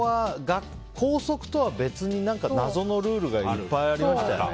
校則とは別に謎のルールがいっぱいありましたよね。